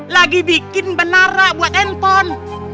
lagi bikin benara buat enton